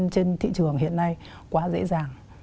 trên thị trường hiện nay quá dễ dàng